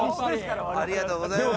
ありがとうございます。